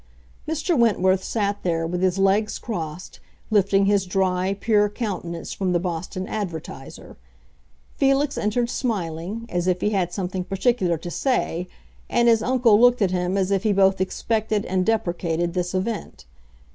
Mr. Wentworth sat there, with his legs crossed, lifting his dry, pure countenance from the Boston Advertiser. Felix entered smiling, as if he had something particular to say, and his uncle looked at him as if he both expected and deprecated this event.